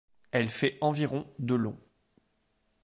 Elle fait environ de long.